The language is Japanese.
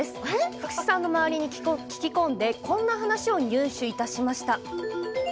福士さんの周りに聞き込んでこんな話を入手しました。